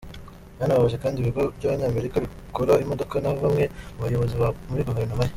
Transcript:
Byanababaje kandi ibigo by’Abanyamerika bikora imodoka na bamwe mu bayobozi muri guverinoma ye.